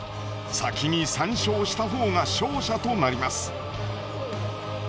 先に３勝した方が勝者となります。